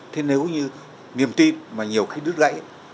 thế nếu như niềm tin mà nhiều khi đứt lẫy